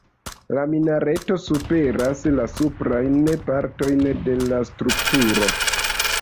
La minareto superas la suprajn partojn de la strukturo.